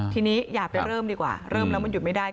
ทีนี้อย่าไปเริ่มดีกว่าเริ่มแล้วมันหยุดไม่ได้